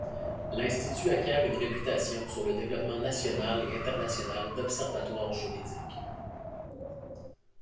L'institut acquiert une réputation sur le développement national et international d'observatoire juridique.